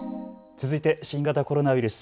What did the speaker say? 続いて新型コロナウイルス。